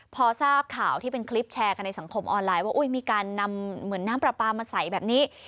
พอทราบข่าวที่เป็นคลิปแชร์กันในสังคมออนไลน์ว่ามีการนำเหมือนน้ำปลาปลามาใส่แบบนี้